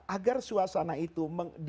agar suasana itu